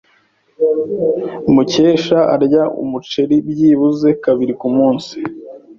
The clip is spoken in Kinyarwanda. Mukesha arya umuceri byibuze kabiri kumunsi.